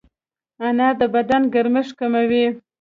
انار د بدن ګرمښت کموي.